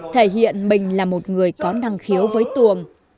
thể hiện mình là một người có năng khiếu với tuồng